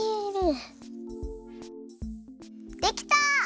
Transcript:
できた！